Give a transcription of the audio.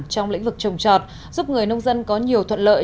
trong lĩnh vực trồng trọt giúp người nông dân có nhiều thuận lợi